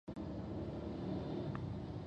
د غوښې خوراک د بدن د عضلاتو لپاره مهم دی.